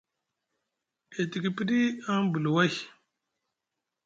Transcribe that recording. E tiki piɗi aŋ bili way.